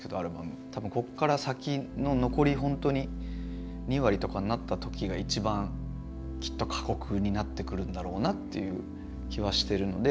多分こっから先の残りほんとに２割とかになった時が一番きっと過酷になってくるんだろうなっていう気はしてるので。